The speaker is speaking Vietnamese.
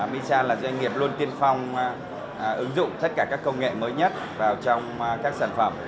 misa là doanh nghiệp luôn tiên phong ứng dụng tất cả các công nghệ mới nhất vào trong các sản phẩm